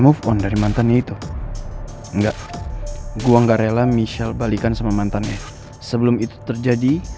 move on dari mantannya itu enggak gua enggak rela michelle balikan sama mantannya sebelum itu terjadi